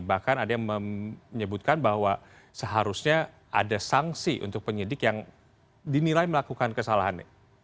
bahkan ada yang menyebutkan bahwa seharusnya ada sanksi untuk penyidik yang dinilai melakukan kesalahan